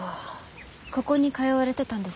ここに通われてたんですか？